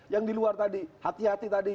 yang diluar tadi hati hati tadi